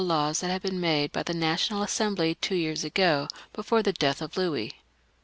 laws that had been made by the National Assembly two years ago, before the death of Louis.